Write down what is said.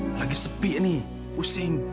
lagi sepi ini pusing